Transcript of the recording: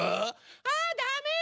あダメよ